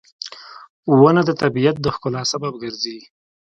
• ونه د طبیعت د ښکلا سبب ګرځي.